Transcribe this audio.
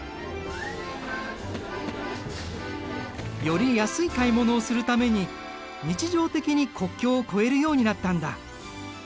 より安い買い物をするために日常的に国境を越えるようになったんだ。